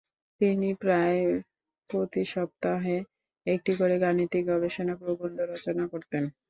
তিনি প্রায় প্রতি সপ্তাহে একটি করে গাণিতিক গবেষণা প্রবন্ধ রচনা করতেন।